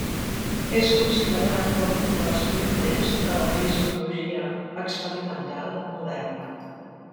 És considerat com un dels pioners de la fisiologia experimental moderna.